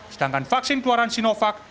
sedangkan vaksin keluaran sinovac